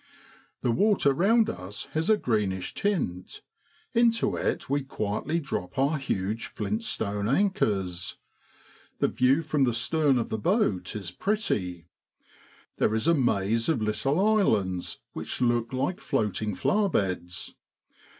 The water round us has a greenish tint ; into it we quietly drop our huge flint stone anchors. The view from the stern of the boat is pretty. There is a maze of little islands, which look like floating flower beds.